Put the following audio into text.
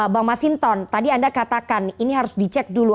bang masinton tadi anda katakan ini harus dicek dulu